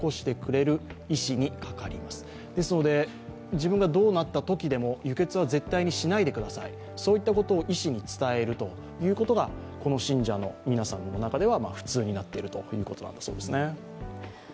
自分がどうなったときでも、輸血は絶対にしないでください、そういったことを医師に伝えるということがこの信者の皆さんの中では普通になっているということなんだそうです。